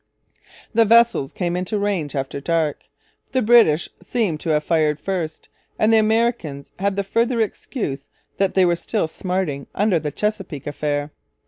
The vessels came into range after dark; the British seem to have fired first; and the Americans had the further excuse that they were still smarting under the Chesapeake affair.